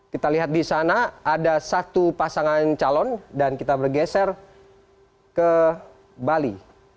kita lihat di sana ada satu pasangan calon dan kita bergeser ke bali